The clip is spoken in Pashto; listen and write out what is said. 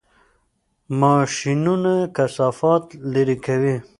ماشینونه کثافات لرې کوي.